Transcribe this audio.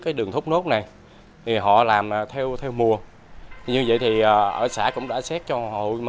cái đường thốt nốt này thì họ làm theo mùa như vậy thì ở xã cũng đã xét cho hội